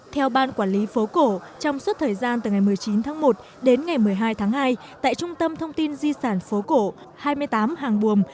theo ban quản lý phố cổ trong suốt thời gian từ ngày một mươi chín tháng một đến ngày một mươi hai tháng hai tại trung tâm thông tin di sản phố cổ hai mươi tám hàng buồm